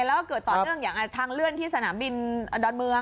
แล้วก็เกิดต่อเนื่องอย่างทางเลื่อนที่สนามบินดอนเมือง